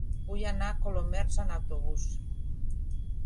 Vull anar a Colomers amb autobús.